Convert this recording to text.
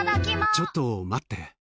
ちょっと待って！